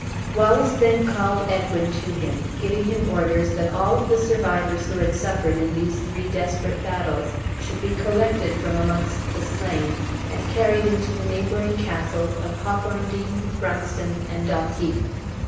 Wallace then called Edwin to him, giving him orders that all of the survivors who had suffered in these three desperate battles, should be collected from amongst the slain, and carried into the neighboring castles of Hawthorndean, Brunston, and Dalkeith.